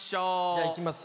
じゃあいきます。